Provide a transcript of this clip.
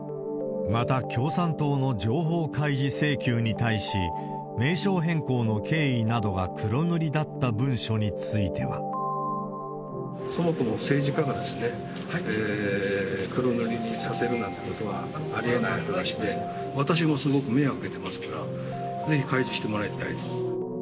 また、共産党の情報開示請求に対し、名称変更の経緯などが黒塗りだった文書については。そもそも政治家が黒塗りにさせるなんてことはありえない話で、私もすごく迷惑を受けてますから、ぜひ開示してもらいたい。